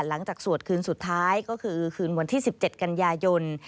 สวดคืนสุดท้ายก็คือคืนวันที่๑๗กันยายน